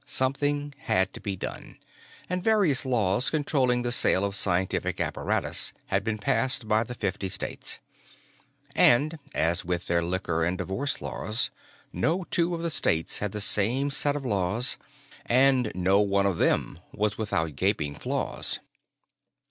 Something had to be done, and various laws controlling the sale of scientific apparatus had been passed by the fifty states. And as with their liquor and divorce laws no two of the states had the same set of laws, and no one of them was without gaping flaws.